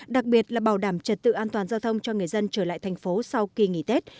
đặc biệt là bảo đảm trật tự an toàn giao thông cho người dân trở lại thành phố sau kỳ nghỉ tết